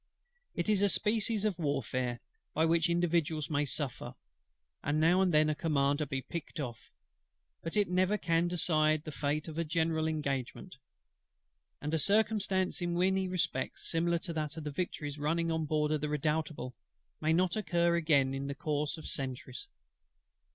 It is a species of warfare by which individuals may suffer, and now and then a Commander be picked off: but it never can decide the fate of a general engagement; and a circumstance in many respects similar to that of the Victory's running on board of the Redoutable, may not occur again in the course of centuries.